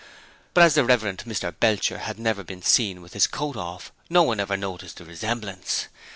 But as the Rev. Mr Belcher had never been seen with his coat off, no one ever noticed the resemblance.